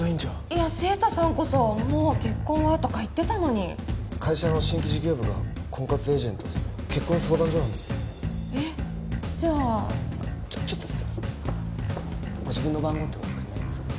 いや晴太さんこそ「もう結婚は」とか言ってたのに会社の新規事業部が婚活エージェント結婚相談所なんですえっじゃあちょっとすいませんご自分の番号ってお分かりになりますか？